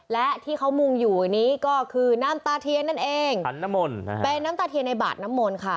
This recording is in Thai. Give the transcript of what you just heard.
และที่เขามุงอยู่นี้ก็คือน้ำตาเทียนนั่นเองขันน้ำมนต์เป็นน้ำตาเทียนในบาดน้ำมนต์ค่ะ